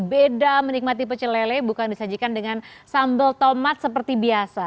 beda menikmati pecel lele bukan disajikan dengan sambal tomat seperti biasa